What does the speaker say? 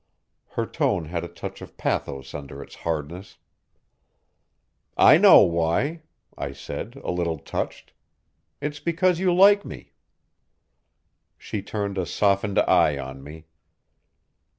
Her tone had a touch of pathos under its hardness. "I know why," I said, a little touched. "It's because you like me." She turned a softened eye on me.